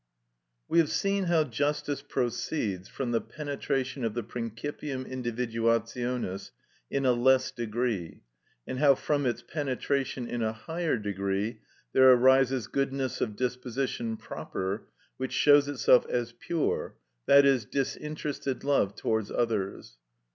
We have seen how justice proceeds from the penetration of the principium individuationis in a less degree, and how from its penetration in a higher degree there arises goodness of disposition proper, which shows itself as pure, i.e., disinterested love towards others.